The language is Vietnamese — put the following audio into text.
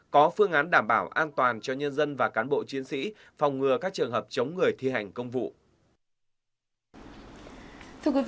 có phương án đảm bảo an toàn cho nhân dân và cán bộ chiến sĩ phòng ngừa các trường hợp chống người thi hành công vụ